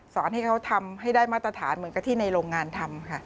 สอนให้เขาทำให้ได้มาตรฐานเหมือนกับที่ในโรงงานทำค่ะ